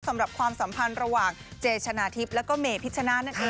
สำหรับความสัมพันธ์ระหว่างเจชนาธิบแล้วก็เมพิชชนาธินั่นเอง